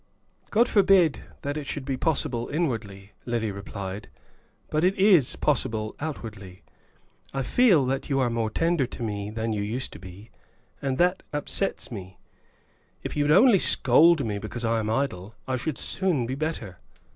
"God forbid that it should be possible inwardly," Lily replied, "but it is possible outwardly. I feel that you are more tender to me than you used to be, and that upsets me. If you would only scold me because I am idle, I should soon be better."